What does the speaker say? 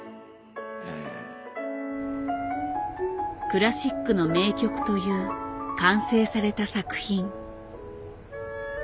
クラシックの名曲という完成された作品。